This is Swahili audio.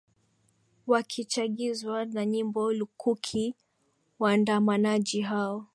wakichagizwa na nyimbo lukuki waandamanaji hao